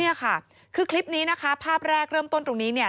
นี่ค่ะคือคลิปนี้ภาพแรกเริ่มต้นตรงนี้